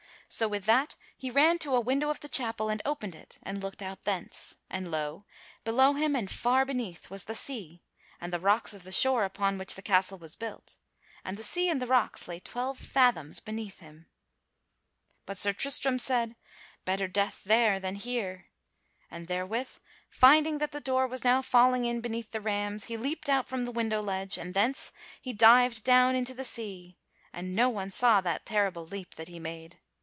So with that he ran to a window of the chapel and opened it and looked out thence. And lo! below him and far beneath was the sea, and the rocks of the shore upon which the castle was built; and the sea and the rocks lay twelve fathoms beneath him. [Sidenote: Sir Tristram leaps into the sea] But Sir Tristram said, "Better death there than here;" and therewith finding that the door was now falling in beneath the rams, he leaped out from the window ledge, and thence he dived down into the sea; and no one saw that terrible leap that he made.